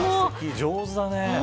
上手だね。